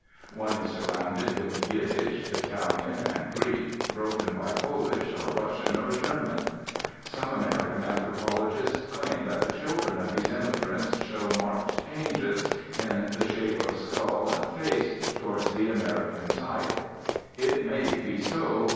One is surrounded with Yiddish, Italian, and Greek, broken by Polish, or Russian, or German. Some American anthropologists claim that the children of these immigrants show marked changes, in the shape of skull and face, towards the American type. It may be so.